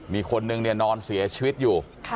มีคนนึงเนี่ยนอนเสียชีวิตอยู่